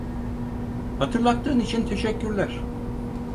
Hatırlattığın için teşekkürler.